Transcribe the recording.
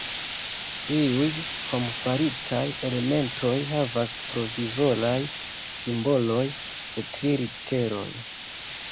Iuj hom-faritaj elementoj havas provizoraj simboloj de tri literoj.